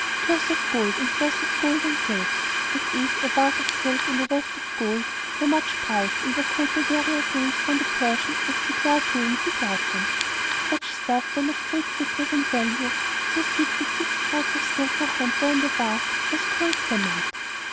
Cloth of gold and cloth of gold and silks that is, warf of silk and weft of gold were much prized, and were called by various names from the Persian, as 'ciclatoun,' 'siglaton.' Such stuff, when of great thickness and value so thick that six threads of silk or hemp were in the warf was called 'samite.'